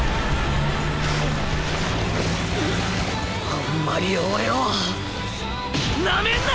あんまり俺をなめんな！